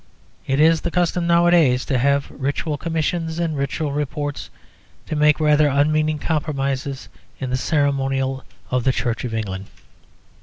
It is the custom nowadays to have Ritual Commissions and Ritual Reports to make rather unmeaning compromises in the ceremonial of the Church of England.